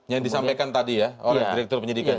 yang disampaikan tadi ya oleh direktur penyidikan